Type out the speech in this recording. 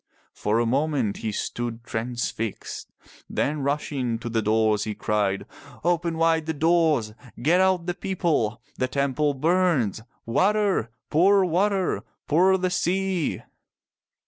For a moment he stood transfixed. Then rushing to the doors he cried, "Open wide the doors. Get out the people. The temple burns. Water! Pour water ! Pour the sea